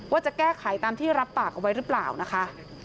ว่าจะแก้ไขตามที่รับปากเอาไว้หรือเปล่านะคะ